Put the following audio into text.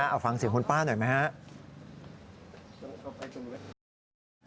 เอาฟังเสียงคุณป้าหน่อยไหมครับ